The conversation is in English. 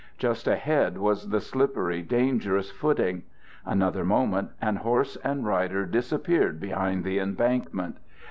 Just ahead was the slippery, dangerous footing. Another moment and horse and rider disappeared behind the embankment.